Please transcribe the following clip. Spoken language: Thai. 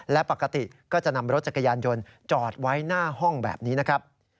และปกติก็จะนำรถจักรยานยนต์จอดไว้หน้าห้องแบบนี้นะครับ